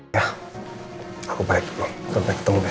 ya aku balik dulu kembali ketemu besok